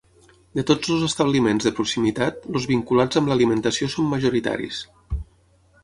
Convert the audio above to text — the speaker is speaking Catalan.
De tots els establiments de proximitat, els vinculats amb l'alimentació són majoritaris.